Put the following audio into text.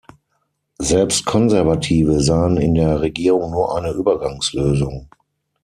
Selbst Konservative sahen in der Regierung nur eine Übergangslösung.